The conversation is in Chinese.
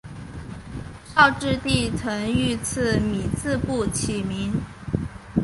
绍治帝曾御赐米字部起名。